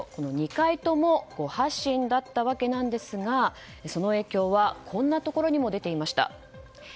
２回とも誤発信だったわけですがその影響は、こんなところにも出ていました。